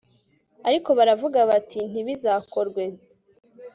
ariko baravuga bati ntibizakorwe